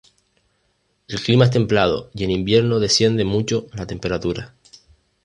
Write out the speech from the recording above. El clima es templado y en invierno desciende mucho la temperatura.